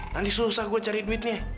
nanti susah gue cari duitnya